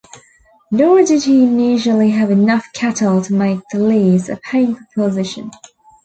Nor did he initially have enough cattle to make the lease a paying proposition.